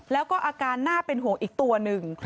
แล้วก็อาการน่าเป็นห่วงอีกตัวหนึ่ง